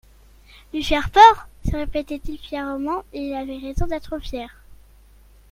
Lui faire peur ! se répétait-il fièrement, et il avait raison d'être fier.